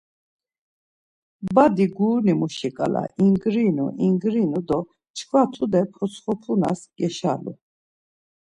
Badi guruni muşi ǩala ingrinu ingrinu do çkva tude potsxepunas geşalu.